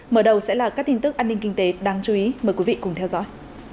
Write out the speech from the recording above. mở đầu sẽ là các tin tức an ninh kinh tế đáng chú ý mời quý vị cùng theo dõi